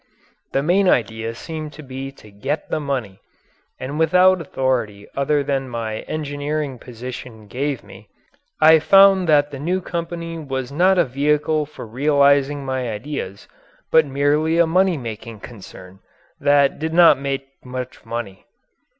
The main idea seemed to be to get the money. And being without authority other than my engineering position gave me, I found that the new company was not a vehicle for realizing my ideas but merely a money making concern that did not make much money.